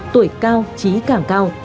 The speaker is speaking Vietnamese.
tuổi cao trí cảng cao